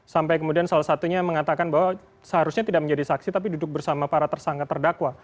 sampai kemudian salah satunya mengatakan bahwa seharusnya tidak menjadi saksi tapi duduk bersama para tersangka terdakwa